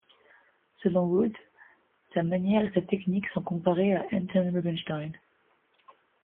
Selon Wood, sa manière et sa technique sont comparés à Anton Rubinstein.